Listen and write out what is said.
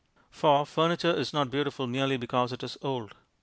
For furniture is not beautiful merely because it is old.